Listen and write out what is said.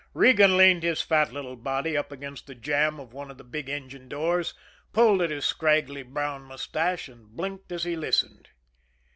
Regan leaned his fat little body up against the jamb of one of the big engine doors, pulled at his scraggly brown mustache, and blinked as he listened.